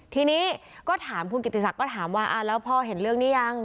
ทีนี้ก็ถามคุณกิติศักดิ์ถามว่าแล้วพ่อเห็นเรื่องนี้ยัง